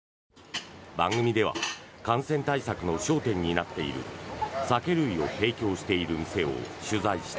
番組では感染対策の焦点になっている酒類を提供している店を取材した。